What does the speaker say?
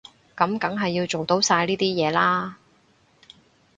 噉梗係要做到晒呢啲嘢啦